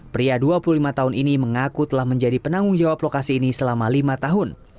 pria dua puluh lima tahun ini mengaku telah menjadi penanggung jawab lokasi ini selama lima tahun